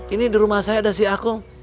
ini di rumah saya ada si akong